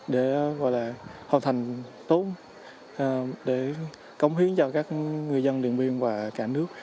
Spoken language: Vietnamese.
để hoàn thành tốt để cống hiến cho các người dân điện biên và cả nước